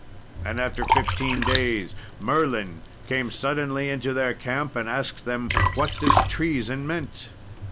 And after fifteen days Merlin came suddenly into their camp and asked them what this treason meant.